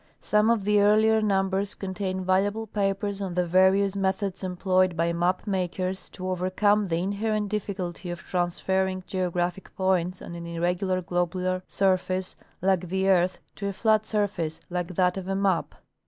Some of the earlier numbers contain valua ble papers on the various methods employed by map makers to overcome the inherent difficulty of transferring geographic points on an irregular globular surface like the earth to a flat surface like that of a map.